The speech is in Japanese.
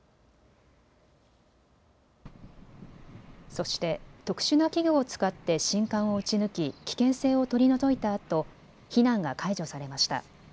そして特殊な器具を使って信管をうち抜き危険性を取り除いたあと避難が解除されました。